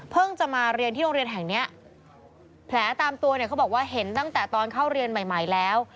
จะมาเรียนที่โรงเรียนแห่งเนี้ยแผลตามตัวเนี่ยเขาบอกว่าเห็นตั้งแต่ตอนเข้าเรียนใหม่แล้ว